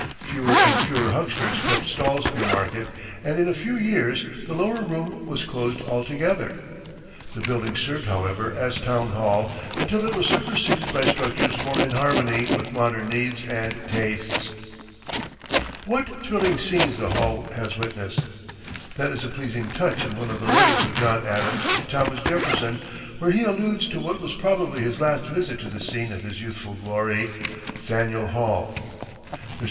Fewer and fewer hucksters kept stalls in the market, and in a few years the lower room was closed altogether. The building served, however, as Town Hall until it was superseded by structures more in harmony with modern needs and tastes. What thrilling scenes the Hall has witnessed! That is a pleasing touch in one of the letters of John Adams to Thomas Jefferson, where he alludes to what was probably his last visit to the scene of his youthful glory, Faneuil Hall. Mr.